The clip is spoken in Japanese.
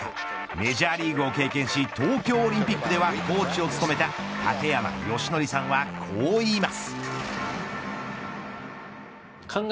メジャーリーグを経験し東京オリンピックではコーチを務めた建山義紀さんはこう言います。